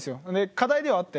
課題ではあって。